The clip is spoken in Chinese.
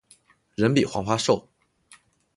人比黄花瘦